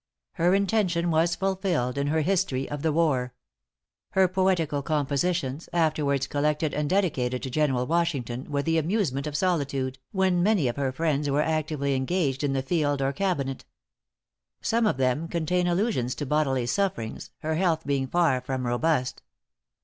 Her intention was fulfilled in her history of the war. Her poetical compositions, afterwards collected and dedicated to General Washington, were the amusement of solitude, when many of her friends were actively engaged in the field or cabinet. Some of them contain allusions to bodily sufferings, her health being far from robust.